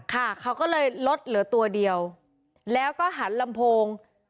ค่ะเขาก็เลยลดเหลือตัวเดียวแล้วก็หันลำโพง